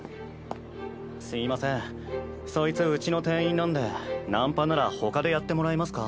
すいませんそいつうちの店員なんでナンパならほかでやってもらえますか？